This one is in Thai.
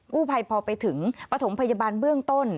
กู้ภัยพอไปถึงปฐมพยาบาลเบื้องต้น